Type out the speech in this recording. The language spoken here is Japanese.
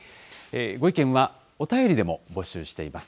ご意見は、お便りでも募集しています。